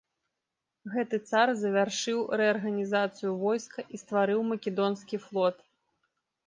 Гэты цар завяршыў рэарганізацыю войска і стварыў македонскі флот.